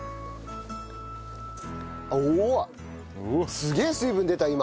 すげえ水分出た今。